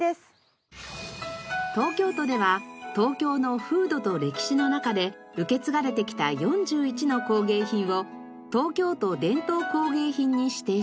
東京都では東京の風土と歴史の中で受け継がれてきた４１の工芸品を東京都伝統工芸品に指定しています。